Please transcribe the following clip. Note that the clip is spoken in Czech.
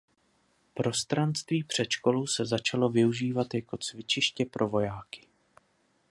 Prostranství před školou se začalo využívat jako cvičiště pro vojáky.